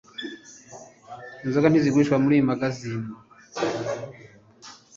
inzoga ntizigurishwa muriyi mangazini